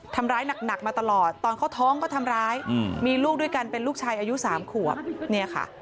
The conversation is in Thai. ทำร้ายหนักมาตลอดตอนเขาท้องก็ทำร้ายมีลูกด้วยกันเป็นลูกชายอายุ๓ขวบเนี่ยค่ะ